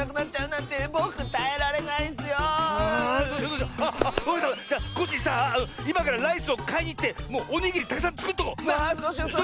じゃコッシーさあいまからライスをかいにいってもうおにぎりたくさんつくっとこう！